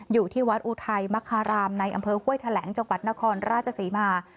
อยู่ที่วัดอุทัยมคารามในอำเภอห้วยแถลงจังหวัดนครราชศรีมา